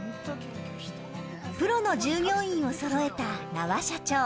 プロの従業員をそろえた那波社長。